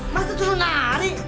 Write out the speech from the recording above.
masa suruh nari